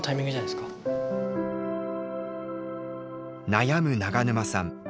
悩む永沼さん。